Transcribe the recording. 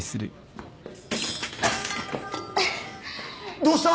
どうした！？